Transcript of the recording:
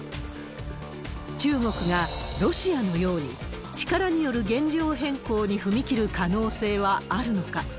中国がロシアのように力による現状変更に踏み切る可能性はあるのか。